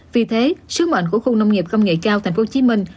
vì thế sứ mệnh của khu nông nghiệp công nghệ cao thành phố hồ chí minh